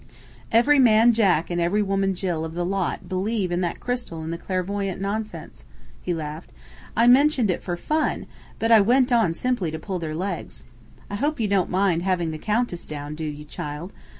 "Every man Jack and every woman Jill of the lot believe in that crystal and clairvoyant nonsense!" he laughed. "I mentioned it for fun, but I went on simply to 'pull their legs.' I hope you don't mind having the Countess down, do you, child?